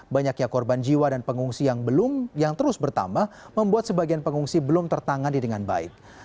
banyaknya korban jiwa dan pengungsi yang terus bertambah membuat sebagian pengungsi belum tertangani dengan baik